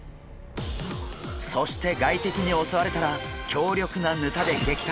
そして外敵に襲われたら強力なヌタで撃退。